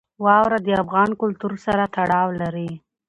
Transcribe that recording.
واوره د افغان کلتور سره تړاو لري.